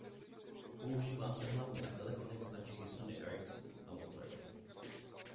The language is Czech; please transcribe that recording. Používá se hlavně na telefonech značky Sony Ericsson a Motorola.